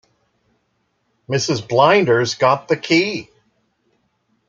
Mrs. Blinder's got the key!